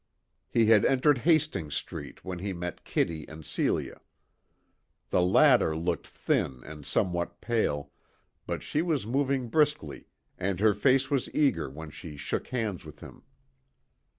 He had entered Hastings Street when he met Kitty and Celia. The latter looked thin and somewhat pale, but she was moving briskly, and her face was eager when she shook hands with him.